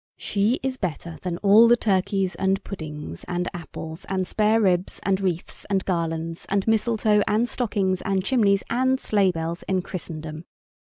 She is better than all the turkeys and puddings and apples and spare ribs and wreaths and garlands and mistletoe and stockings and chimneys and sleigh bells in Christendom.